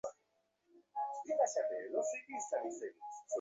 আমি তিনজন ইংরেজ বন্ধুর সঙ্গে সুইজরলণ্ডের পাহাড়ে যাচ্ছি।